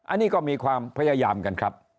อันนี้ก็มีความพยายามกันครับ